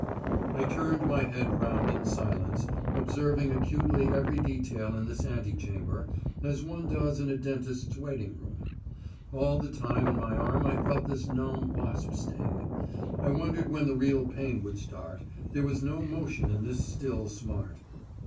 I turned my head round in silence, observing acutely every detail in this antechamber, as one does in a dentist's waiting room. All the time in my arm I felt this numb wasp sting; I wondered when the real pain would start; there was no motion in this still smart.